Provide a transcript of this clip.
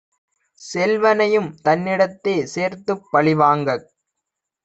செல்வனையும் தன்னிடத்தே சேர்த்துப் பழிவாங்கக்